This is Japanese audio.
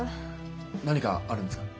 何かあるんですか？